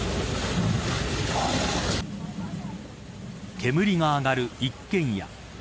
煙が上がる一軒家。